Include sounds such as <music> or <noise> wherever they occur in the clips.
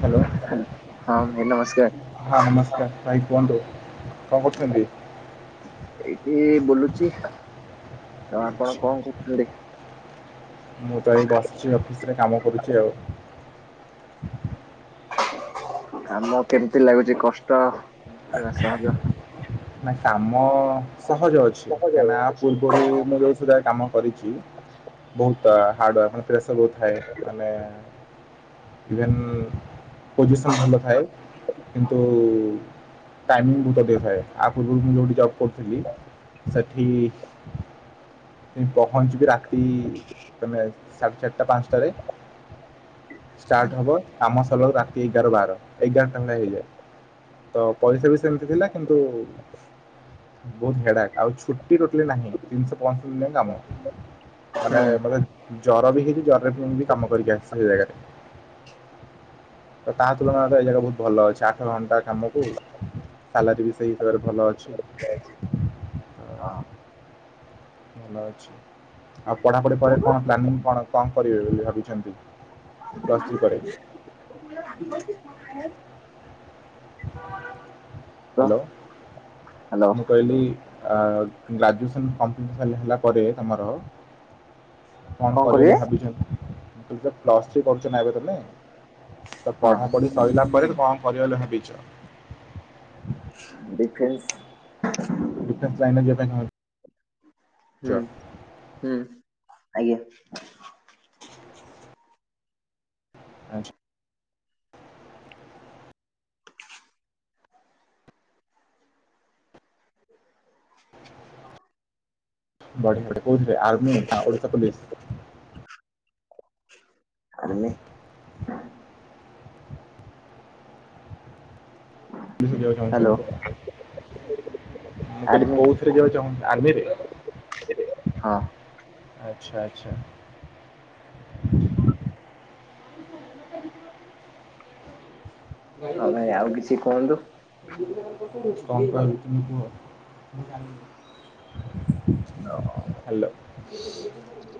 Hello ହ ହଁ ନମସ୍କାର। ହଁ ନମସ୍କାର ଭାଇ କୁହନ୍ତୁ କଣ କରୁଛନ୍ତି? ଏଇଠି ବୁଲୁଛି ଆଉ ଆପଣ ଆଚ୍ଛା କଣ କରୁଥିଲେ? ମୁଁ ତ ଏ ବସିଛି ଅଫିସରେ କାମ କରୁଛି ଆଉ। କାମ କେମିତି ଲାଗୁଛି କଷ୍ଟ ନା ସହଜ? ନା କାମ ସହଜ ଅଛି। କାହିଁକି ନା ଆ ପୂର୍ବରୁ ମୁଁ ବୋହୁତ ସାରା କାମ କରିଛି ବୋହୁତ ଆ ହାର୍ଡ଼ ୱାର୍ ମାନେ ପ୍ରେସର ବହୁତ ଥାଏ। ମାନେ ଇଭେନ୍ ପୋଜିସନ୍ ଭଲ ଥାଏ। କିନ୍ତୁ ଟାଇମିଙ୍ଗ ଗୁରୁତ୍ଵ ଦେଇଥାଏ। ଆ ପୂର୍ବରୁ ମୁଁ ଯଉଠି ଜବ୍ କରୁଥିଲି। ସେଠି ସେଠି ପହଞ୍ଚିବ ରାତି ତମେ ସାଢ଼େ ଚାରିଟା ପାଞ୍ଚଟାରେ। ଷ୍ଟାର୍ଟ ହବ କାମ ସରିଲା ବେଳୁ ରାତି ଏଗାର ବାର ଏଗାରଟା <unintelligible> ହେଇଯାଏ। ତ ପଇସା ବି ସେମିତି ଥିଲା। କିନ୍ତୁ ବୋହୁତ ହାର୍ଡ ୱାର୍କ ଆଉ ଛୁଟି ଟୋଟାଲି ନାହିଁ ତିନିଶହ ପଁଷଠି ଦିନ କାମ। ମାନେ ହୁଁ ଧର ଜ୍ୱର ବି ହେଇଛି ଜରରେ ଯାଇକି କାମ କରିକି ଆସ ସେ ଜାଗାରେ। ତ ତା ତୁଳନାରେ ଏଇ ଜାଗା ବୋହୁତ ଭଲ ଅଛି। ଆଠ ଘଣ୍ଟା କାମକୁ ସାଲାରୀ ବି ସେଇ ତୁଳନାରେ ଭଲ ଅଛି। ହଁ ଭଲ ଅଛି। ଆଉ ପଢାଊପଢି ପରେ କଣ ପ୍ଲାନିଂ କଣ କଣ କରିବେ ବୋଲି ଭାବିଛନ୍ତି? ପ୍ଲସ୍ ଥ୍ରୀ ପରେ <unintelligible> <unintelligible> <unintelligible> ତ ହାଲୋ ହ୍ୟାଲୋ ମୁଁ କହିଲି। ଆ ଗ୍ରାଜୁଏସନ କମ୍ପ୍ଲିଟ୍ ସରିଗଲା ପରେ ତମର। କଣ କରିବ ବୋଲି ଭାବିଛନ୍ତି? ତୁମେ ତ ପ୍ଲସ୍ ଥ୍ରୀ କରୁଛ ନା ଏବେ ତମେ ତ ହଁ ପଢାପଢି ସରିଲା ପରେ କଣ କରିବ ବୋଲି ଭାବି ଚ। ଡିଫେନ୍ସ। ଡିଫେନ୍ସ ଲାଇନ ଯିବା ପାଇଁ ଚାହୁଁ ହୁଁ ଚ। ହୁଁ। ଆଜ୍ଞା। ଆଛା। ବଢ଼ିଆ ବଢିଆ କୋଉଥିରେ ଆର୍ମି ନା ଓଡିଶା ପୋଲିସ। ଆର୍ମି କୋଉ ଥିରେ ଜିବାକୁ ହ୍ୟାଲୋ ଚାହୁଁଛନ୍ତି। ମୁଁ କହିଲି ଆର୍ମି କୋଉ ଥିରେ ଯିବାକୁ ଚାହୁଁ ଆର୍ମି ରେ। ହଁ ଆଛା ଆଛା। ହଁ <unintelligible> ଭାଇ ଆଉ କିଛି କୁହନ୍ତୁ। କଁ କହିବି ତୁମେ କୁହ। ହାଲୋ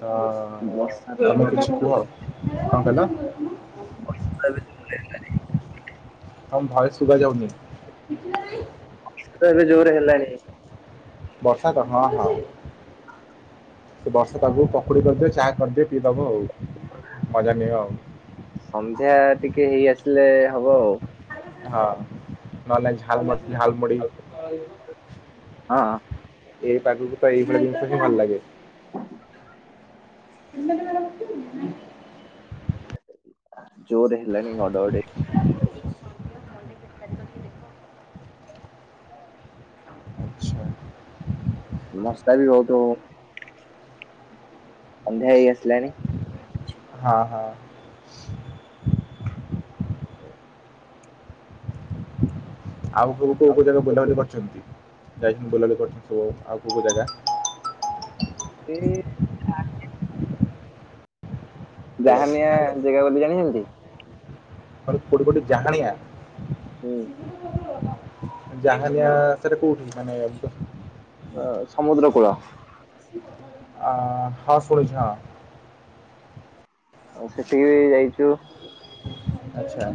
ହଁ। ବର୍ଷା ତ ତମେ ପ୍ରବଳ କିଛି କୁହ କଁ କହିଲ। <unintelligible> ତମ ଭଏସ ଶୁଭା ଯାଉନି। ଶୀତ ଏବେ ଯୋରେ ହେଲାଣି। ବର୍ଷା ତ ହଁ ହଁ। ସେ ବର୍ଷା ପାଗକୁ ପକୁଡ଼ି କରିଦିଏ ଚାହା କରିଦିଏ ପିଇଦବ ଆଉ ମଜା ନିଅ ଆଉ। ସନ୍ଧ୍ୟା ଟିକେ ହେଇ ଆସିଲେ ହବ ଆଉ। ହଁ ନହେଲେ ଝାଲ୍ ସସ୍ ଝାଲ୍ ମୁଢି। ହଁ। ଏଇ ପାଗକୁ ତ ଏଇ ଭଳିଆ ଜିନିଷ ସବୁ ଭଲ ଲାଗେ। <unintelligible> ଜୋର ହେଲାଣି ଘଡ଼ଘଡ଼ି। ଆଚ୍ଛା ମଶା ବି ବହୁତ। ସନ୍ଧ୍ୟା ହେଇ ଆସିଲାଣି। ହଁ ହଁ। <unintelligible> ଆଉ ସବୁ କୋଉ କୋଉ ଜାଗା ବୁଲାବୁଲି କରିଛନ୍ତି ଯାଇଛନ୍ତି ବୁଲାବୁଲି କରିଛନ୍ତି ସବୁ ଆଉ କୋଉ କୋଉ ଜାଗା। ଏ। ହ୍ୟାଲୋ ଜହାନିଆ ଜେଗା ବୋଲି ଜାଣିଛନ୍ତି। କଁ କୋଉଠି କୋଉଠି ଜାହଣିଆ। ହୁଁ। ଜାହାନିଆ ସେଟା କୋଉଠି ମାନେ। ଅ ସମୁଦ୍ର କୂଳ। <unintelligible> ଆ ହଁ ଶଣୁଛି ହଁ। ଆଉ ସେଠିକି ଯାଇଛୁ। ଆଛା।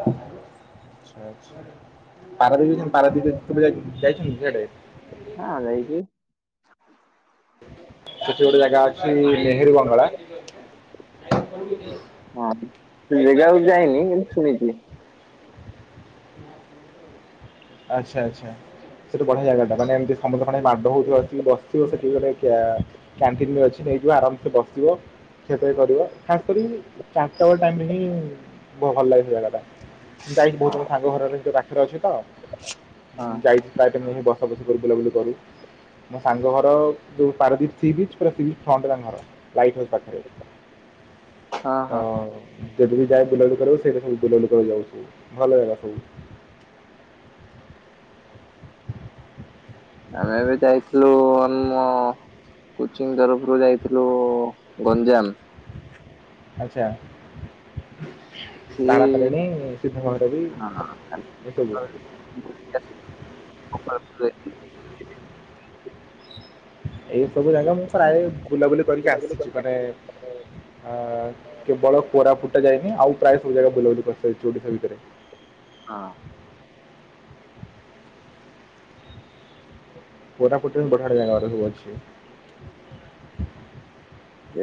ଆଚ୍ଛା। ପାରାଦୀପ ଯାଇଚନ୍ତି ପାରାଦୀପ <unintelligible> ଯାଇଛନ୍ତି ସିଆଡେ? ହଁ ଯାଇଛି। ସେଠି ଗୋଟେ ଜାଗା ଅଛି ନେହେରୁ ବଙ୍ଗଳା ହଁ ସେ ଜେଗାକୁ ଯାଇନି କିନ୍ତୁ ଶୁଣିଚି। ଆଚ୍ଛା ଆଚ୍ଛା। ସେଠୁ ବଢିଆ ଜାଗାଟା ମାନେ ଏମତି ସମୁଦ୍ରପାଣି ମାଡ଼ ହୋଉଥିବ ଆସିକି ବସିଥିବ ସେଠି ଗୋଟେ କ୍ୟା କ୍ୟାଣ୍ଟିନ ବି ଅଛି ନେଇଯିବ ଆରାମସେ ବସିବ। ଖିଆପିଆ କରିବ ଖାସ କରି ଚାରିଟା ବେଳ ଟାଇମରେ ହିଁ ବ ଭଲ ଲାଗେ ସେ ଜାଗାଟା। ଯାଇଚି ବୋହୁଥର ସାଙ୍ଗ ଘର ଏବେ ସେଠି ପାଖରେ ଅଛି ତ। ଆଚ୍ଛା। ଉଁ ଯାଇଚି ପ୍ରାୟ ଟାଇମ <unintelligible> ବସା ବସି କରୁ ବୁଲାବୁଲି କରୁ। ମୋ ସାଙ୍ଗ ଘର ଯୋଉ ପାରଦୀପ ସି ବିଚ୍ ପୁରା ସି ବିଚ୍ ଫ୍ରଣ୍ଟ ତାଙ୍କ ଘର ଲାଇଟ୍ ହାଉସ ପାଖରେ। ହଁ <unintelligible> ତ ହଁ। ଯଦ ବି ଯାଏ ବୁଲାବୁଲି କରିବାକୁ ସେଇଟା ହିଁ ବୁଲାବୁଲୁ କରି ଯାଉ <unintelligible> ଭଲ ଜାଗା ସବୁ। ଆମେ ବି ଯାଇଥିଲୁ ଆମ କୋଚିଂ ତରଫରୁ ଯାଇଥିଲୁ ଗଞ୍ଜାମ ଆଛା ସେଠି ତାରା ତାରିଣୀ ସିଦ୍ଧ ମହାଦେବୀ ଏସବୁ। ହଁ। ବୁଲିକି ଆସିଲୁ। ଏଇ ସବୁ ଜାଗା ମୁଁ ପ୍ରାୟ ବୁଲାବୁଲି କରିକି ଆସିଚି ମାନେ ଆ କେବଳ କୋରାପୁଟଟା ଯାଇନି ଆଉ ପ୍ରାୟ ସବୁ ଜାଗା ବୁଲାବୁଲି କରିସାରିଚି ଓଡିଶା ଭିତରେ। ହଁ। କୋରାପୁଟରେ ହିଁ ବଢିଆ ବଢିଆ ଜାଗାଉରା ସବୁ ଅଛି।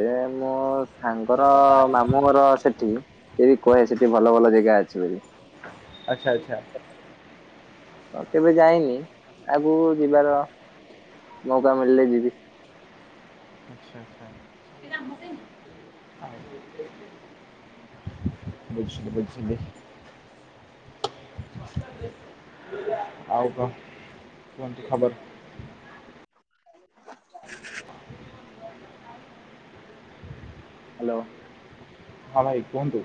ଏ ମୋ ସାଙ୍ଗର ମାମୁଁଘର ସେଠି ସେ ହିଁ କହେ ସେଠି ଭଲ ଭଲ ଜେଗା ଅଛି ବୋଲି। ଆଚ୍ଛା ଆଚ୍ଛା। ହଁ କେବେ ଯାଇନି ଆଗକୁ ଯିବାର ମୋଉକା ମିଳିଲେ ଯିବି। ଆଚ୍ଛା ଆଚ୍ଛା। ବୁଝିଲି ବୁଝିଲି। ଆଉ କଣ କୁନନ୍ତୁ ଖବର? ହାଲୋ। ହଁ ଭାଇ କୁହନ୍ତୁ।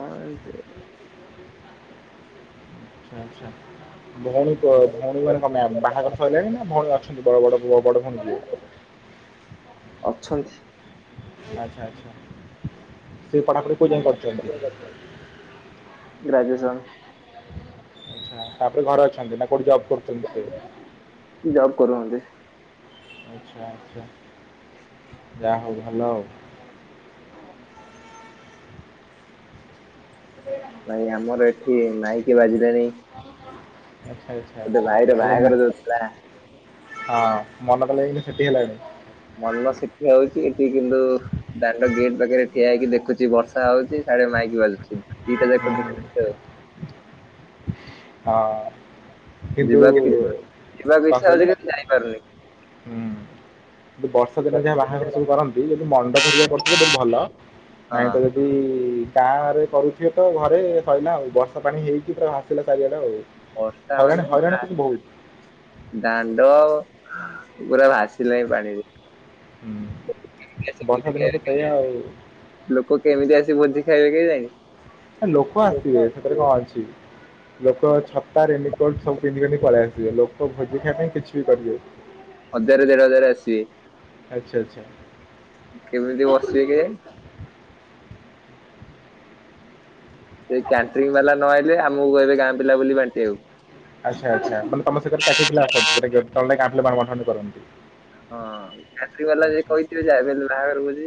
କଣ ହେଇଚି? ଆଚ୍ଛା ଆଚ୍ଛା। ଭୋଉଣୀ ବ ଭୋଉଣୀ ମାନେ କଁ ତାଙ୍କ ବାହାଘର ସଇଲାଣି ନା ଭୋଉଣୀ ଅଛନ୍ତି ବଡ ବଡ ଝିଅ ବଡ ଭୋଉଣୀ ଯିଏ? ଅଛନ୍ତି। ଆଚ୍ଛା ଆଚ୍ଛା ସେ ପଠାପଢ଼ି କେଉ ଯାଏଁ କରୁଚନ୍ତି। ଗ୍ରାଜୁଏସନ୍। ଆଛା ତାପରେ ଘରେ ଅଛନ୍ତି ନା କୋଉଠି ଜବ୍ କରୁଚନ୍ତି ସିଏ? ଜବ କରୁଛନ୍ତି। ଆଚ୍ଛା ଆଚ୍ଛା ଯାହୋଉ ଭଲ ଆଉ। ସେ ନାଇଁ ଆମର ଏଠି ମାଇକି ବାଜିଲାଣି ଆଛା ଆଛା ଗୋଟେ ଭାଇର ତାଲେ ଉମ୍ ବାହାଘର ଯୋଉଥିଲା ହଁ ମନ ତ <unintelligible> ସେଠି ହେଲାଣି। ମନ ସେଠି ହୋଉଚି ଏଠି କିନ୍ତୁ ଦାଣାଡ ଗେଟ୍ ପାଖରେ ଠିଆ ହେଇକି ଦେଖୁଚି ବର୍ଷା ହୋଉଚି ସ୍ୟାଡେ ମାଇକି ବାଜୁଚି। ଦିଇଟା ଯାକ ହୁଁ, ହୁଁ। ଦେଖିବୁ ପ୍ରାଏ। ହଁ କିନ୍ତୁ ଯିବାକୁ ଯିବାକୁ କଣ ଇଚ୍ଛା ହଉଛି କହିଲେ? କିନ୍ତୁ ଯାଇପାରୁନି। ହୁଁ। ଯ ବର୍ଷା ଦିନ ଯାହା ବାହାଘର ସବୁ କରନ୍ତି ଯଦି ମଣ୍ଡପ ହରିକା କରିଥିବେ ଦେନ୍ ଭଲ ହଁ ନାଇଁ ତ ଯଦି ଗାଁରେ କରୁଥିବେ ତ ଘରେ ସଇଲା ଆଉ ବର୍ଷା ପାଣି ହେଇକି ପୁରା ଭାସିଲା ଚାରିଆଡ଼େ ଆଉ ବର୍ଷା ହଇରାଣ ମାନେ ହଇରାଣ ଦା- କିନ୍ତୁ ବହୁତ୍ ଦାଣ୍ଡ ପୁରା ଭାସିଲାଣି ପାଣିରେ ହୁଁ ବର୍ଷା ଦିନ ତ ସେଇଆ ଆଉ <unintelligible> ଲୋକ କେମିତି ଆସି ଭୋଜି ଖାଇବେ କେଜାଣି? ଆ ଲୋକ ଆସିବେ ସେଥିରେ କଣ ଅଛି ଲୋକ ଛତା ରେନିକୋଟ୍ ସବୁ ପିନ୍ଧି ପିଧି ପଳେଇ ଆସିବେ ଲୋକ ଭୋଜି ଖାଇବା ପାଇଁ କିଛି ବି କରିବେ <unintelligible> ହଜାର ଦେଢ଼ ହଜାର ଆସିବେ। ଆଚ୍ଛା ଆଚ୍ଛା। କେମିତି ବସିବେ କେଆଣି? ସେଇ କ୍ୟାଣ୍ଟ୍ରି ବାଲା ନଆଇଲେ ଆମକୁ କହିବେ ଗାଁ ପିଲା ବୋଲି ବାଣ୍ଟି ଆକୁ। ଆଚ୍ଛା ଆଚ୍ଛା ତମେ ତମ ସେକରେ କ୍ୟାଫେ <unintelligible> ହଁ କ୍ୟାଣ୍ଟ୍ରି ବାଲା ଯଦି କହିିଥିବେ ଯାହାବି ହେଲେ ବାହାଘର ଭୋଜି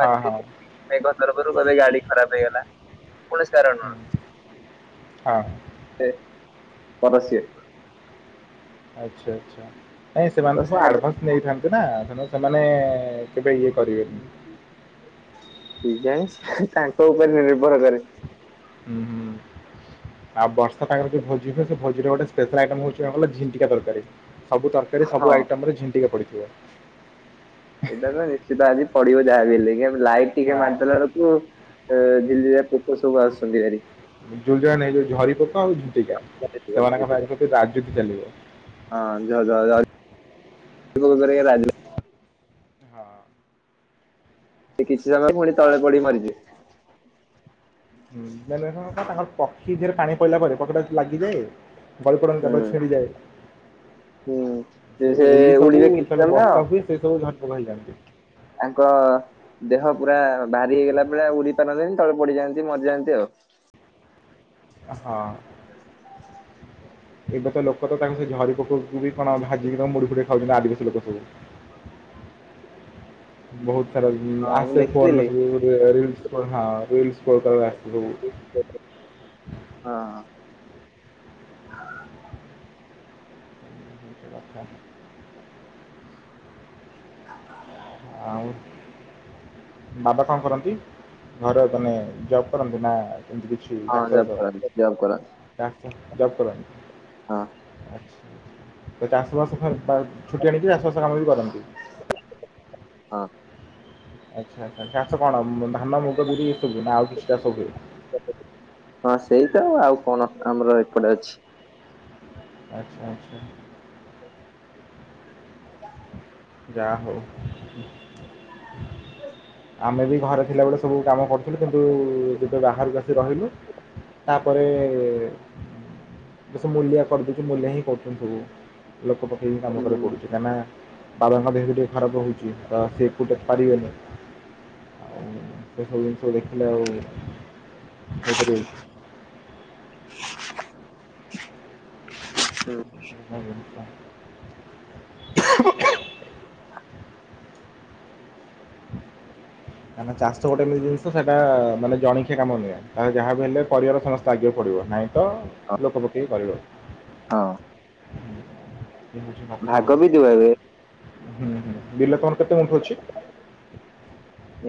ହଁ ହଁ ମେଘ ତରଫରୁ କହିବେ ଗାଡ଼ି ଖରାପ୍ ହେଇଗଲା କୌଣସି କାରଣ ହୁଁ, ରୁ ହଁ। ସେ ପର ସିଏ ଆଚ୍ଛା ଆଚ୍ଛା ନାଇଁ ସେମାନେ ତ ସବୁ ଆଡ଼ଭାନ୍ସ ନେଇଥାନ୍ତି ନା ତେଣୁ ସେମାନେ କେବେ ଇଏ କରିବେନି କେଜାଣି ତାଙ୍କ ଉପରେ ନିର୍ଭର କରେ ହୁଁ ହୁଁ। ଆଉ ବର୍ଷା ପାାଗରେ ଯୋଉ ଭୋଜି ହୁଏ ସେ ଭୋଜିରେ ଗୋଟେ ସ୍ପେଶାଲ ଆଇଟମ୍ ହଉଛି କଣ କହିଲ ଝିଣ୍ଟିକା ତରକାରୀ। ସବୁ ତରକାରୀ ସବୁ ହଁ ଆଇଟମ୍ ରେ ଝିଣ୍ଟିକା ପଡ଼ିଥିବ। ଏଇଟା ତ ନିଶ୍ଚିତ ଆଜି ପଡ଼ିବ ଯାହା ବି ହେଲେ ଲାଇଟ୍ ଟିକେ ହଁ ମାରିଦେଲାରୁ ଉଁ ଜିଳିଜିଳିଆ ପୋକ ସବୁ ଆସୁଚନ୍ତି ହାରି ଜୁଳୁଜୁଳିଆ ନାଇ ଯୋଉ ଝରିପୋକ ଆଉ ଝିଟିକା ହଁ ଝ ସେମାନଙ୍କ ପାଇଁ ରାଜୁତି ଚାଲିବ। ହଁ ଯ ଯ ଝ ରି ପୋକ ହେରିକା ରାଜୁ ହଁ। ସେ କିଛି ସମୟ ପୁଣି ତଳେ ପଡ଼ିକି ମରିଜିବେ। ମେନ୍ ହେଲା କଣ ତାଙ୍କର ପକ୍ଷୀ ଦେହରେ ପାଣି ପଡ଼ିଲା ପରେ ପକ୍ଷୀଟା ଲାଗିଯାଏ। ବଳିପଡ଼ନ୍ତି ତାପରେ ହୁଁ। ହୁଁ ଯେ ଛିଡ଼ିଯାଏ। ସେ ଉଇ ସବୁ ଉଡିବେ କିଛି ଯେତେବେଳେ ସମୟ ବର୍ଷା ହୁଏ ସେ ସବୁଝରି ପୋକ ହେଇଯାଆନ୍ତି। ତାଙ୍କ ଦେହ ପୁରା ଭାରି ହେଇଗଲା ପରେ ଆଉ ଉଡ଼ି ପାରନ୍ତିନି ତଳେ ପଡ଼ିଯାଆନ୍ତି ମରିଯାଆନ୍ତି ଆଉ। ହଁ। ଏବେ ତ ଲୋକ ତ ତାଙ୍କ ସେ ଝରିପୋକକୁ ବି କଣ ଭାଜିକି ମୁଡ଼ି ଫୁଡ଼ି ଖାଉ ଆଦିବାଶୀ ଲୋକ ସବୁ। ବହୁତ ସାରା ହଁ ମୁଁ ଆସେ ଫୋନରେ ଦେଖିଥିଲି ସବୁ ରିଲସ୍ ପରଦା ହଁ ରିଲସ ପରଦା କୁ ଆସେ ସବୁ। ହଁ। ଲଙ୍କା। ହାଲୋ। ଆଉ ବାବା କଣ କରନ୍ତି? ଘରେ ମାନେ ଜଵ୍ କରନ୍ତି ନା ଏମତି କିଛି ହଁ ଡାକ୍ତର ଜବ୍ କରନ୍ତି ଜବ୍ କରନ୍ତି ଡାକ୍ତର ଜବ୍ କରନ୍ତି? ହଁ। ଆଚ୍ଛା। ତ ଚାଷ ବାସ ଥାଏ ତା ଛୁଟି ଆଣିକି ଚାଷ ବାସ କାମ ବି କରନ୍ତି? ହଁ। ଆଚ୍ଛା ଆଚ୍ଛା ଚାଷ କଣ ଧାନ, ମୁଗ, ବିରି ଏ ସବୁ ନା ଆଉ କିଛି ‌ଚାଷ ହୁଏ? ହଁ ସେଇତ ଆଉ କଣ ଆମର ଏପଟେ ଅଛି? ଆଚ୍ଛା ଆଚ୍ଛା। <unintelligible> ଯା ହଉ। ଆମେ ବି ଘରେ ଥିଲାବେଳେ ସବୁ କାମ କରୁଥିଲୁ କିନ୍ତୁ ଏଠି ତ ବାହାରକୁ ଆସି ରହିଲୁ ତାପରେ ବର୍ଷ ମୂଲିଆ କରିଦେଉଛି ମୂଲିଆ ହିଁ କରୁଛନ୍ତି ସବୁ ବର୍ଷ ଲୋକ ପକେଇ ହିଁ କାମ କରିବା ହୁଁ। ପଡୁଛି। କାହିଁକି ନା ବାବାଙ୍କ ଦେହ ଟିକେ ଖରାପ ରହୁଛି ତ ସିଏ ଏକୁଟିଆ ପାରିବେନି। ଆଉ ସେସବୁ ଜିନିଷ ଦେଖିଲେ ଆଉ ହେଇପାରିବ କି? ହୁଁ ଆଜ୍ଞା। କାରଣ ଚାଷ ଗୋଟେ ଏମିତି ଜିନିଷ ସେଇଟା ମାନେ ଜଣିକିଆ କାମ ନୁହେଁ ତା ଯାହା ବି ହେଲେ ପରିବାର ସମସ୍ତେ ଲାଗିବାକୁ ପଡ଼ିବ। ତ ଲୋକ ପକେଇ କରିବ। ହଁ ଏ ହଉଛି କଥା ଆଉ ଭାଗ ବି ଦିଆ ହୁଏ। ହୁଁ ହୁଁ ବିଲ ତମର କେତେ ଗୁଣ୍ଠ ଅଛି?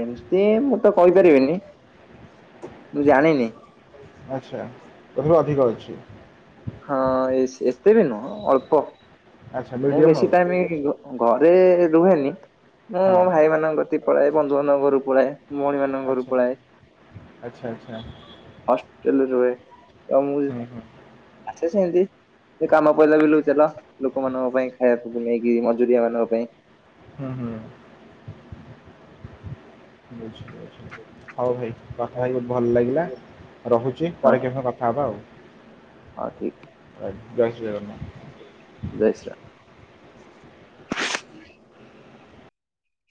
ଏମିତି ମୁଁ ତ କହିପାରିବିନି ମୁଁ ଜାଣିନି। ଆଚ୍ଛା ଅଧିକ ଅଛି। ହଁ ଏତେ ବି ନୁହଁ ଅଳ୍ପ ଆଚ୍ଛା ମୁଁ ମିଡ଼ିୟମ୍ ବେଶୀ ଆଉ ଟାଇମ ଘରେ ରୁହେନି ମୁଁ ହଁ ମୋ ଭାଇମାନଙ୍କ କତିକି ପଳାଏ ବନ୍ଧୁ ବାନ୍ଧବ ଘରୁକୁ ପଳାଏ। ଭଉଣୀ ମାନଙ୍କ ଘରୁ ଆଚ୍ଛା ଆଚ୍ଛା। ପଳାଏ ଆଚ୍ଛା ଆଚ୍ଛା ହସ୍ଟେଲରେ ରୁହେ ତ ମୁଁ ହୁଁ ହୁଁ ଆସେ ସେମିତି। ସେ କାମ ପଇିଲା ବିଲୁକୁ ଚାଲ ଲୋକମାନଙ୍କ ପାଇଁ ଖାଇବାକୁ ନେଇକି ମଜୁରିଆ ମାନଙ୍କ ପାଇଁ। ହୁଁ ହୁଁ ବୁଝ ବଝ ହଉ ଭାଇ କଥା ହଉ ହେଇ ବହୁତ୍ ଭଲ ଲାଗିଲା ରହୁଛି ହଁ ପରେ କେବେ ଠିକ ସମ କଥା ହେବା ଆଉ। ହଁ ଠିକ ଆ <unintelligible> ସେ ଜୟ ଶ୍ରୀ ରାମ।